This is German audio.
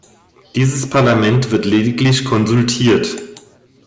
Dieses Parlament wird lediglich konsultiert.